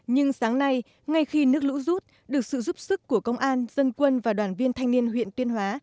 nhưng sáng nay ngay khi nước lũ rút được sự giúp sức của công an dân quân và đoàn viên thanh niên huyện tuyên hóa